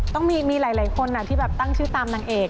ต้องมีหลายคนที่แบบตั้งชื่อตามนางเอก